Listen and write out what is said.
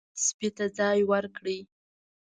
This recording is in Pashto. سپي ته ځای ورکړئ.